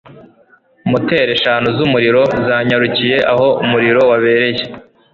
Moteri eshanu zumuriro zanyarukiye aho umuriro wabereye.